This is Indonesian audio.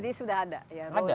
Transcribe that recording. jadi sudah ada